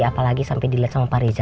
apalagi sampai dilihat sama parija